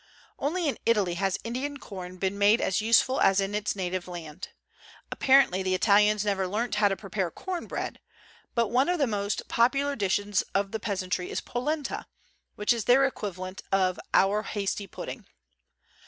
Only in Italy has Indian corn been made as useful as in its native land. Apparently the Italians have never learnt how to prepare corn bread; but one of the most popular dishes of the peasantry is polenta, which is their equivalent for our hasty pudding.